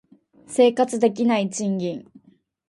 生活できない賃金